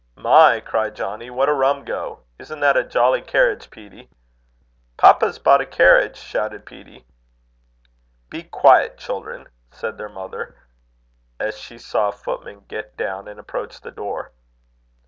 "My!" cried Johnnie, "what a rum go! Isn't that a jolly carriage, Peetie?" "Papa's bought a carriage!" shouted Peetie. "Be quiet, children," said their mother, as she saw a footman get down and approach the door.